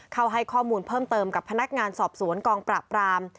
ให้ข้อมูลเพิ่มเติมกับพนักงานสอบสวนกองปราบราม